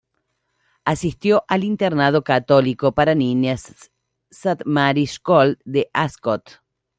Asistió al internado católico para niñas St Mary's School de Ascot.